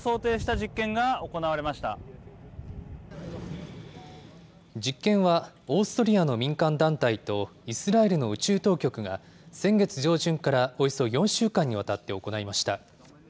実験は、オーストリアの民間団体と、イスラエルの宇宙当局が、先月上旬からおよそ４週間にわたって行いました。